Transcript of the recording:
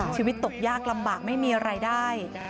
ชีวิตตกยากลำบากไม่มีรายได้